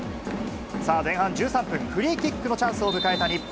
さあ、前半１３分、フリーキックのチャンスを迎えた日本。